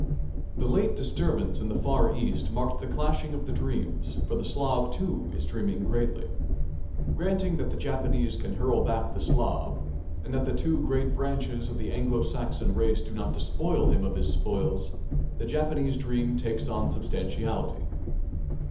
The late disturbance in the Far East marked the clashing of the dreams, for the Slav, too, is dreaming greatly. Granting that the Japanese can hurl back the Slav and that the two great branches of the Anglo Saxon race do not despoil him of his spoils, the Japanese dream takes on substantiality.